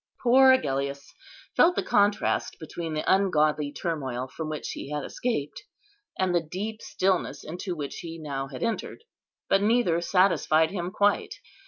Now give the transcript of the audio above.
Poor Agellius felt the contrast between the ungodly turmoil from which he had escaped, and the deep stillness into which he now had entered; but neither satisfied him quite.